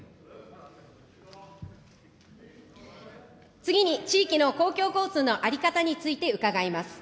次に地域の公共交通の在り方について伺います。